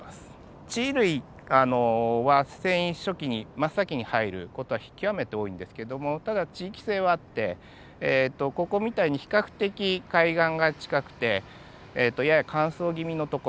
地衣類は遷移初期に真っ先に入る事は極めて多いんですけどもただ地域性はあってここみたいに比較的海岸が近くてやや乾燥気味の所。